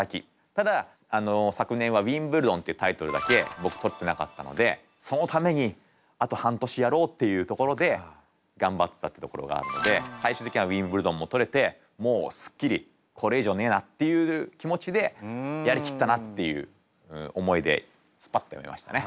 ただ昨年はウィンブルドンっていうタイトルだけ僕取ってなかったのでそのためにあと半年やろうっていうところで頑張ってたってところがあるので最終的にはウィンブルドンも取れてもうすっきり「これ以上ねえな」っていう気持ちで「やりきったな」っていう思いですぱっとやめましたね。